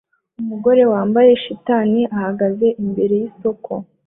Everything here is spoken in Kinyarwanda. Umugore wambaye 'shitani' ahagaze imbere yisoko